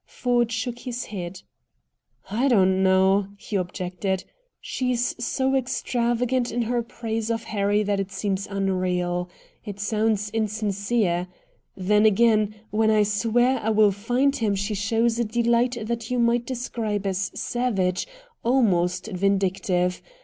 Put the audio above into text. Ford shook his head. "I don't know!" he objected. "She's so extravagant in her praise of Harry that it seems unreal. It sounds insincere. Then, again, when I swear I will find him she shows a delight that you might describe as savage, almost vindictive.